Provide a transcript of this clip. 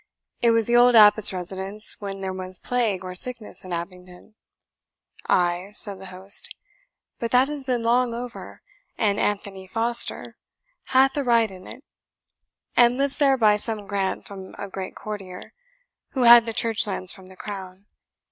It was the old abbot's residence when there was plague or sickness at Abingdon." "Ay," said the host, "but that has been long over; and Anthony Foster hath a right in it, and lives there by some grant from a great courtier, who had the church lands from the crown.